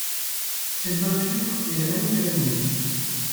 Cette voiture est la même que la mienne.